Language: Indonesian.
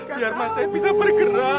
biar mas saya bisa bergerak